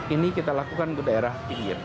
ini kita lakukan ke daerah pinggir